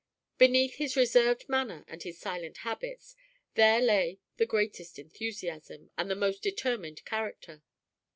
Beneath his reserved manner and his silent habits there lay the greatest enthusiasm, and the most determined character.